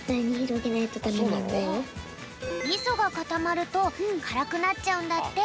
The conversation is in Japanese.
みそがかたまるとからくなっちゃうんだって。